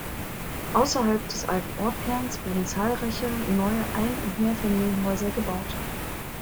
Außerhalb des alten Ortskerns wurden zahlreiche neue Ein- und Mehrfamilienhäuser gebaut.